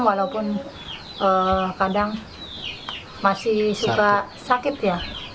walaupun kadang masih suka sakit ya